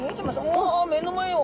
お目の前を！